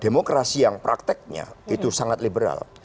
demokrasi yang prakteknya itu sangat liberal